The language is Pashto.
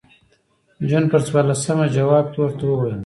جون پر څوارلسمه جواب کې ورته ولیکل.